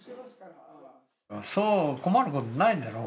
そう困ることないだろう？